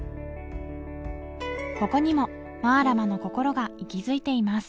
ここにもマラマのこころが息づいています